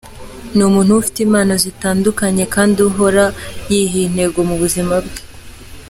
Ni umuntu uba ufite impano zitandukanye kandi uhora yiha intego mu buzima bwe.